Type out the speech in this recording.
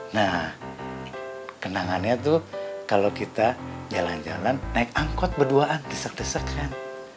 nah kenangannya tuh kalau kita jalan jalan naik angkot berduaan desak desak kan